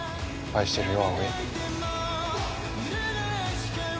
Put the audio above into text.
愛してるよ葵。